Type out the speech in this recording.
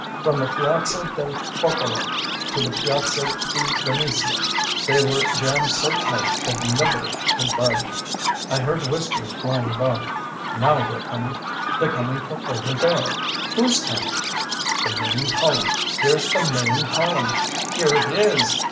From the Piazza del Popolo to the Piazza di Venezia they were jammed so tight that nobody could budge. I heard whispers flying about: 'Now they're coming!' 'They're coming from over there!' 'Who's coming?' 'The main column here's the main column!' 'Here it is!'